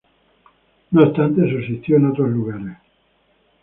No obstante, subsistió en otros lugares.